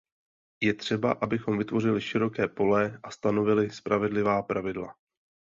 Je třeba, abychom vytvořili široké pole a stanovili spravedlivá pravidla.